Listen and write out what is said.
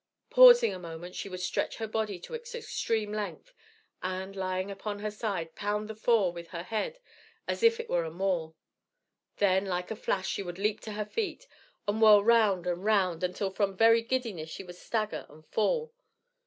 Pausing a moment, she would stretch her body to its extreme length, and, lying upon her side, pound the floor with her head as if it were a maul. Then like a flash she would leap to her feet, and whirl round and round until from very giddiness she would stagger and fall.